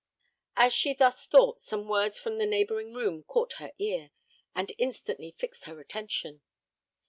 As she thus thought, some words from the neighbouring room caught her ear, and instantly fixed her attention.